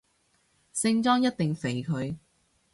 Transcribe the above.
聖莊一定肥佢